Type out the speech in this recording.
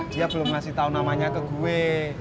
dia belum ngasih tahu namanya ke gue